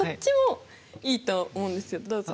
どうぞ。